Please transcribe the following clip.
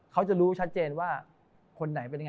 เขาจะรู้ชัดเจนว่าคนไหนเป็นยังไง